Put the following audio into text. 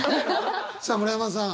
さあ村山さん